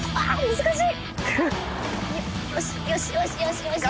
難しい。